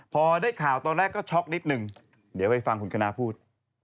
พอได้ข่าวตอนแรกก็ช็อกนิดนึงเดี๋ยวไปฟังคุณคณะพูด